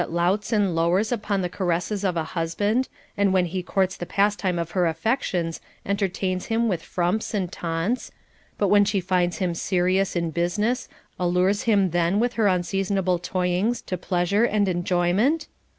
491 louts and lowers upon the caresses of a husband, and when he courts the pastime of her affections, entertains him with frumps and taunts, but when she finds him serious in business, allures him then with her unseason able toyings to pleasure and enjoyment?